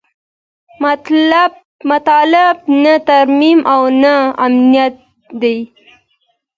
مطلب نه ترمیم او نه امنیت دی.